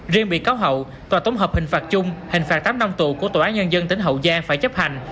riêng bị cáo hậu tòa tổng hợp hình phạt chung hình phạt tám năm tù của tòa án nhân dân tp cn phải chấp hành